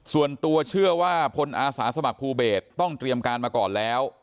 ส่วนตัวเชื่อว่าพลอาสาสมัครภูเบศต้องเตรียมการมาก่อนแล้ว